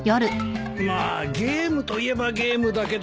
まあゲームと言えばゲームだけど。